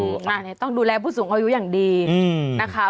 นี่ต้องดูแลผู้สูงอายุอย่างดีนะคะ